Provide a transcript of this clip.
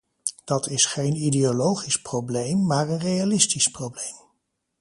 Dat is geen ideologisch probleem maar een realistisch probleem.